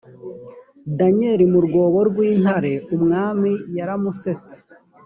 danyeli mu rwobo rw intare umwami yaramusetse